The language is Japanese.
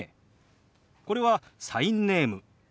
これはサインネーム。